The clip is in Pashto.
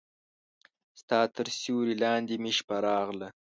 ستا تر سیوري لاندې مې شپه راغله